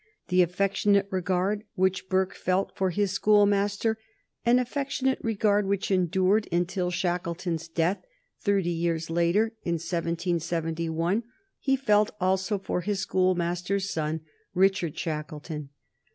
The affectionate regard which Burke felt for his schoolmaster, an affectionate regard which endured until Shackleton's death, thirty years later, in 1771, he felt also for his schoolmaster's son, Richard Shackleton.